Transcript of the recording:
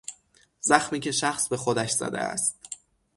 زخمی که شخص به خودش زده است